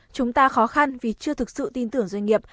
chúng ta khó khăn vì chưa thực sự tin tưởng doanh nghiệp